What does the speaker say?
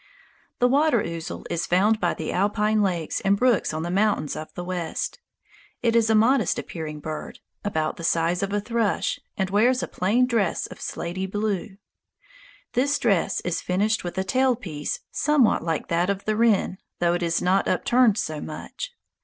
The water ouzel is found by the alpine lakes and brooks on the mountains of the West. It is a modest appearing bird, about the size of a thrush, and wears a plain dress of slaty blue. This dress is finished with a tail piece somewhat like that of the wren, though it is not upturned so much.